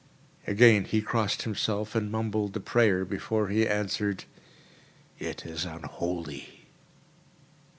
Again he crossed himself and mumbled a prayer, before he answered, "It is unholy."